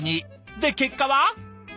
で結果は？